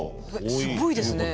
すごいですね。